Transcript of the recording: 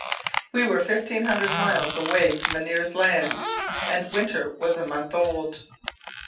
We were fifteen hundred miles away from the nearest land, and winter was a month old!